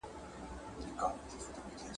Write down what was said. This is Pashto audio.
هغه کتاب چي ما لوستی وو، ډېر ګټور وو.